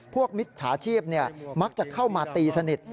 มิจฉาชีพมักจะเข้ามาตีสนิท